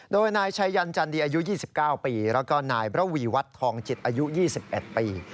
โดยนายชัยยันจันดีอายุ๒๙ปีแล้วก็นายบระวีวัฒน์ทองจิตอายุ๒๑ปี